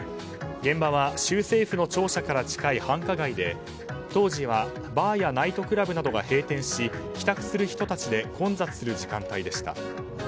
現場は州政府の庁舎から近い繁華街で当時はバーやナイトクラブなどが閉店し帰宅する人たちで混雑する時間帯でした。